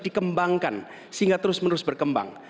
dikembangkan sehingga terus menerus berkembang